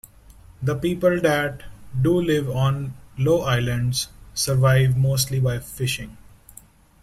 The people that do live on low islands survive mostly by fishing.